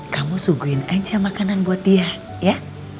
kamu suguhin aja makanan buat dia ya